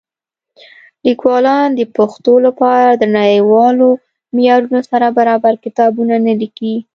لیکوالان د پښتو لپاره د نړیوالو معیارونو سره برابر کتابونه نه لیکي.